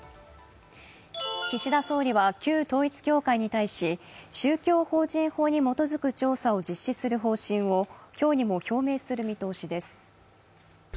岸田総理は旧統一教会に対し、宗教法人法に基づく調査を実施する方針を今日にも表明する見通しです。